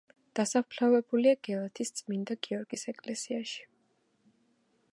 დასაფლავებულია გელათის წმინდა გიორგის ეკლესიაში.